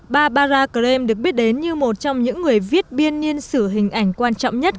barbara klem được biết đến như một trong những người viết biên niên sử hình ảnh quan trọng nhất